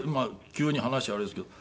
急に話あれですけど。